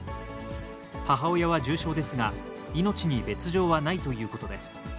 母親は重傷ですが、命に別状はないということです。